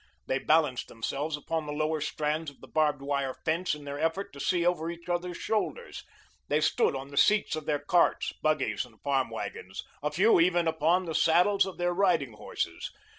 They balanced themselves upon the lower strands of the barbed wire fence in their effort to see over each others' shoulders; they stood on the seats of their carts, buggies, and farm wagons, a few even upon the saddles of their riding horses.